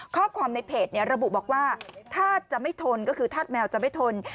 ข้อความในเพจระบุบอกว่าถ้าจะไม่ทนก็คือธาตุแมวจะไม่ทน